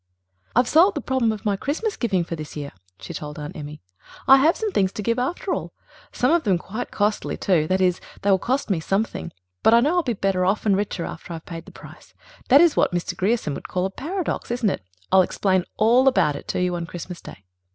"I've solved the problem of my Christmas giving for this year," she told Aunt Emmy. "I have some things to give after all. Some of them quite costly, too; that is, they will cost me something, but I know I'll be better off and richer after I've paid the price. That is what Mr. Grierson would call a paradox, isn't it? I'll explain all about it to you on Christmas Day."